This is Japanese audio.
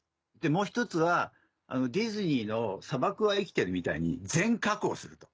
もう１つはディズニーの『砂漠は生きている』みたいに全加工すると。